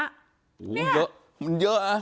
เยอะมันเยอะอะ